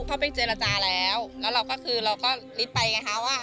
เข้าไปเจรจาแล้วแล้วเราก็คือเราก็ลิฟต์ไปไงคะว่า